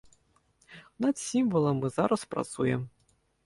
Над сімвалам мы зараз працуем.